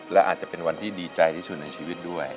และอาจจะเป็นวันที่ดีใจที่สุดในชีวิตด้วย